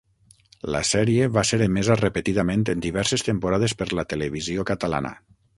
La sèrie va ser emesa repetidament en diverses temporades per la Televisió Catalana.